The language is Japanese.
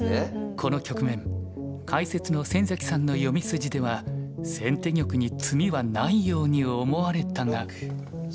この局面解説の先崎さんの読み筋では先手玉に詰みはないように思われたが。